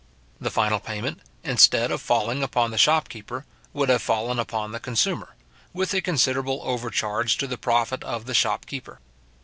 The final payment, instead of falling upon the shop keeper, would have fallen upon the consumer, with a considerable overcharge to the profit of the shop keeper.